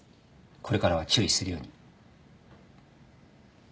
これからは注意するように。